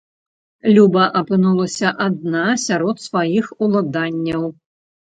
Люба апынулася адна сярод сваіх уладанняў.